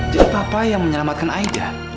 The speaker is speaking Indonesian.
jadi papa yang menyelamatkan aida